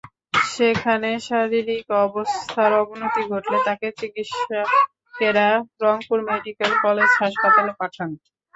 সেখানে শারীরিক অবস্থার অবনতি ঘটলে তাঁকে চিকিৎসকেরা রংপুর মেডিকেল কলেজ হাসপাতালে পাঠান।